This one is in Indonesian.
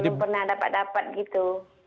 belum pernah dapat dapat gitu